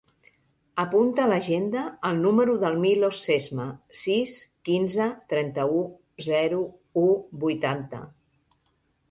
Apunta a l'agenda el número del Milos Sesma: sis, quinze, trenta-u, zero, u, vuitanta.